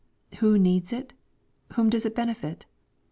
Who needs it? Whom does it benefit?